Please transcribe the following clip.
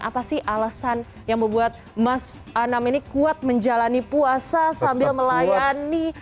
apa sih alasan yang membuat mas anam ini kuat menjalani puasa sambil melayani